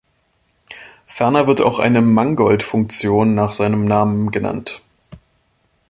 Ferner wird auch eine Mangoldt-Funktion nach seinem Namen genannt.